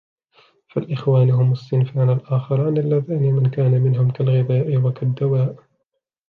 فَالْإِخْوَانُ هُمْ الصِّنْفَانِ الْآخَرَانِ اللَّذَانِ مَنْ كَانَ مِنْهُمْ كَالْغِذَاءِ وَكَالدَّوَاءِ